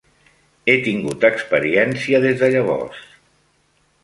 He tingut experiència des de llavors.